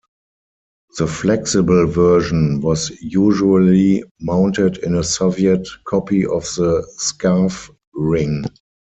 The flexible version was usually mounted in a Soviet copy of the Scarff ring.